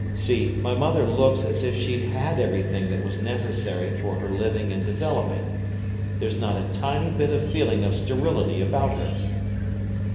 See, my mother looks as if she'd had everything that was necessary for her living and developing. There's not a tiny bit of feeling of sterility about her."